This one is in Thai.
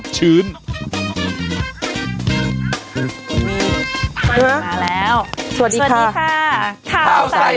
เยอะ